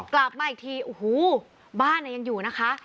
อ๋อกลับมาอีกทีอูหูบ้านน่ะยังอยู่นะคะครับ